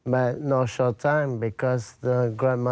แต่ขอโทษไม่ได้นะครับ